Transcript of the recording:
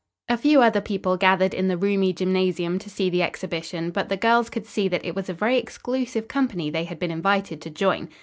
A few other people gathered in the roomy gymnasium to see the exhibition, but the girls could see that it was a very exclusive company they had been invited to join.